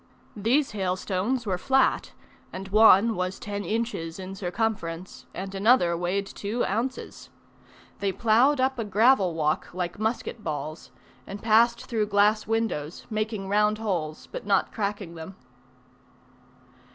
These hailstones were flat, and one was ten inches in circumference, and another weighed two ounces. They ploughed up a gravel walk like musket balls, and passed through glass windows, making round holes, but not cracking them.